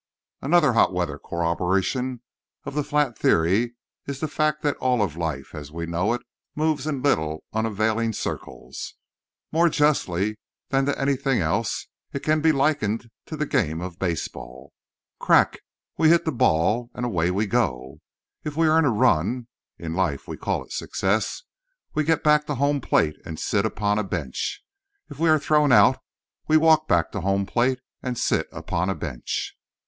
Another hot weather corroboration of the flat theory is the fact that all of life, as we know it, moves in little, unavailing circles. More justly than to anything else, it can be likened to the game of baseball. Crack! we hit the ball, and away we go. If we earn a run (in life we call it success) we get back to the home plate and sit upon a bench. If we are thrown out, we walk back to the home plate—and sit upon a bench.